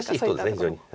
非常に。